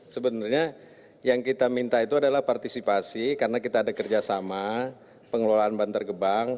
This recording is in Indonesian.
sebenarnya yang kita minta itu adalah partisipasi karena kita ada kerjasama pengelolaan bantar gebang